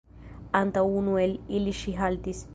Antaŭ unu el ili ŝi haltis.